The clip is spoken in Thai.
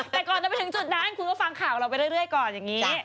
แต่ก่อนจะไปถึงจุดนั้นคุณก็ฟังข่าวเราไปเรื่อยก่อนอย่างนี้